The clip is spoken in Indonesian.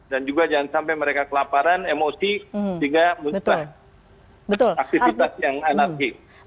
dan juga jangan sampai mereka kelaparan emosi sehingga muntah aktivitas yang anarki